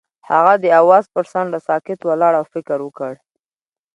هغه د اواز پر څنډه ساکت ولاړ او فکر وکړ.